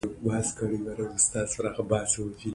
کار د زغم او دوام غوښتنه کوي